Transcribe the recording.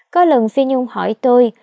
có lần phi nhung hỏi tôi